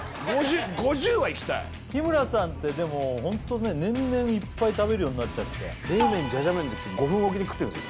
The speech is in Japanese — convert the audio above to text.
５０はいきたい日村さんってでもホントね年々いっぱい食べるようになっちゃって冷麺じゃじゃ麺ってきて５分おきで食ってるんですよ